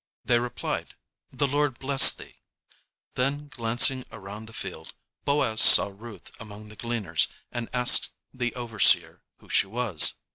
They replied, "The Lord bless thee." Then glancing around the field, Boaz saw Ruth among the gleaners and asked the overseer who she was.